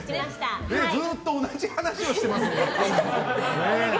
ずっと同じ話をしてますね。